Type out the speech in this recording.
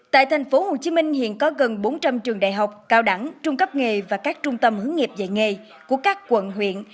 tại thành phố hồ chí minh hiện có gần bốn trăm linh trường đại học cao đẳng trung cấp nghề và các trung tâm hướng nghiệp dạy nghề của các quận huyện